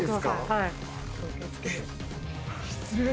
はい。